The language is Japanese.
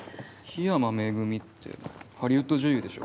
緋山恵ってハリウッド女優でしょ？